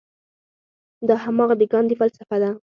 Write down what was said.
دا هماغه د ګاندي فلسفه ده.